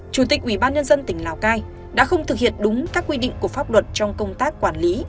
chủ tịch ubnd tỉnh lào cai đã không thực hiện đúng các quy định của pháp luật trong công tác quản lý